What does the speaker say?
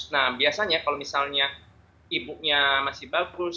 nah biasanya kalau misalnya ibunya masih bagus